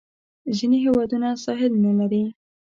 ځینې هیوادونه ساحل نه لري.